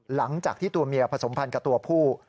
หลังจากที่ตัวเมียผสมพันธ์กับตัวผู้